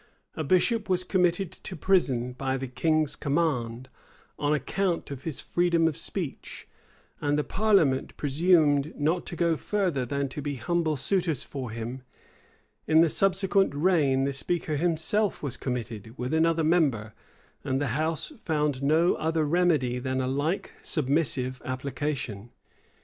a bishop was committed to prison by the king's command, on account of his freedom of speech; and the parliament presumed not to go further than to be humble suitors for him: in the subsequent reign, the speaker himself was committed, with another member; and the house found no other remedy than a like submissive application.